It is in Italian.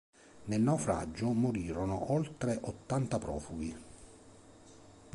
Nel naufragio morirono oltre ottanta profughi.